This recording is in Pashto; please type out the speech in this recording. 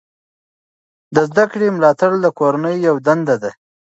د زده کړې ملاتړ د کورنۍ یوه دنده ده.